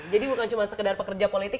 jadi bukan cuma sekedar pekerja politik